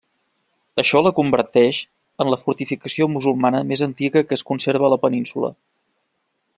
Això la converteix en la fortificació musulmana més antiga que es conserva a la Península.